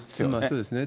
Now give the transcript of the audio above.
そうですね。